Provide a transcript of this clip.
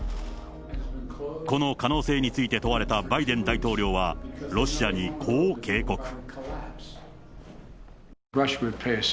この可能性について問われたバイデン大統領は、ロシアにこう警告。